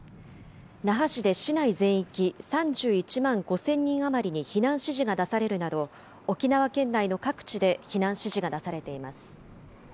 那覇市で市内全域３１万５０００人余りに避難指示が出されるなど、沖縄県内の各地で避難指示が出されています。